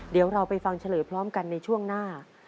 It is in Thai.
เดี๋ยวเราไปฟังเฉลยพร้อมกันในช่วงหน้า